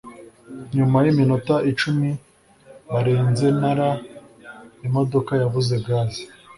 Nyuma yiminota icumi barenze Nara imodoka yabuze gaze